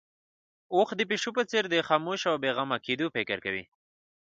اوښ د پيشو په څېر د خاموش او بې غمه کېدو فکر کوي.